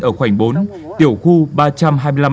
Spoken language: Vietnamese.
ở khoảng bốn tiểu khu ba trăm hai mươi năm a